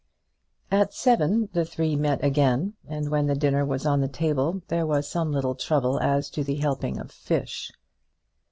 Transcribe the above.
At seven the three met again, and when the dinner was on the table there was some little trouble as to the helping of the fish.